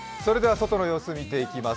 外の様子を見ていきます。